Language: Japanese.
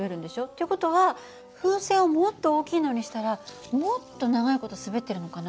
っていう事は風船をもっと大きいのにしたらもっと長い事滑ってるのかな？